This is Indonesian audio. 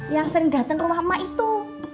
yang sering datang ke rumah emak itu